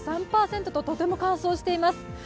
とても乾燥しています。